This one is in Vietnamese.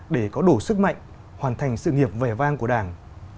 để có đủ sức mạnh hoàn thành sự nghiệp vẻ vang của đảng